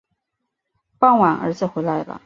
傍晚儿子回来了